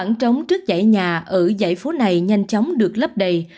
bản trống trước dãy nhà ở dãy phố này nhanh chóng được lấp đầy